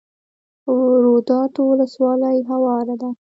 روداتو ولسوالۍ هواره ده؟